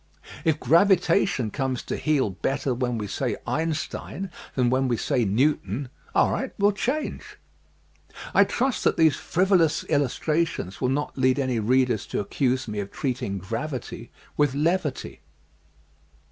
If gravitation comes to heel better when we say "Einstein" than when we say "Newton," all right, we'll change. I trust that these frivolous illustrations will not lead my readers to accuse me of treating gravity with levity.